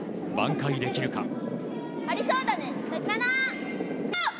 ばん回できるか。